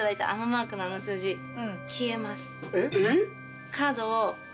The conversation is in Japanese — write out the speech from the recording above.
えっ？